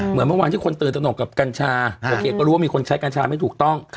เหมือนเมื่อวานที่คนตื่นตนกกับกัญชาโอเคก็รู้ว่ามีคนใช้กัญชาไม่ถูกต้อง